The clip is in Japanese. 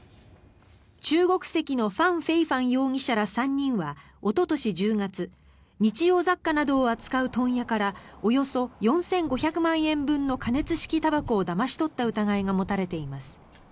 中国籍のファン・フェイファン容疑者ら３人はおととし１０月日用雑貨などを扱う問屋からおよそ４５００万円分の加熱式たばこをだまし取った疑いが持たれています。